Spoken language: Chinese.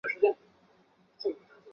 与黑色金属相对的是有色金属。